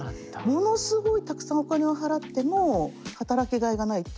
ものすごいたくさんお金を払っても働きがいがないと。